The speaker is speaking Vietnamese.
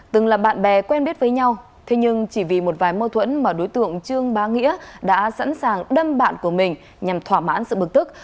từng là bạn bè quen biết với nhau thế nhưng chỉ vì một vài mâu thuẫn mà đối tượng trương bá nghĩa đã sẵn sàng đâm bạn của mình nhằm thỏa mãn sự bực tức